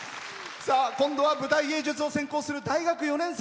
今度は舞台芸術を専攻する大学４年生。